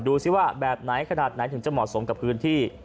ซิว่าแบบไหนขนาดไหนถึงจะเหมาะสมกับพื้นที่